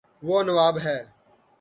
وہ نواب ہے